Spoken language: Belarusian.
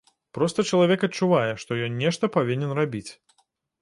Проста чалавек адчувае, што ён нешта павінен рабіць.